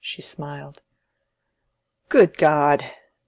She smiled. "Good God!"